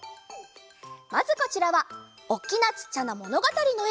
まずこちらは「おっきなちっちゃな物語」のえ。